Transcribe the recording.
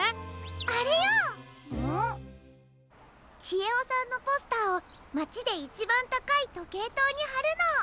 ちえおさんのポスターをまちでいちばんたかいとけいとうにはるの。